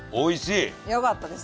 よかったです。